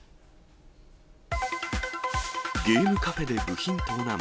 ゲームカフェで部品盗難。